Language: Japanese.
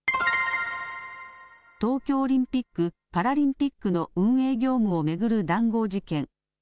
東京オリンピック・パラリンピックの運営業務を巡る談合事件。